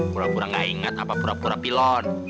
pura pura gak ingat apa pura pura pilon